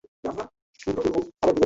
তিনি বাথরুমে ঢুকলেন পানির বালতির খোঁজে।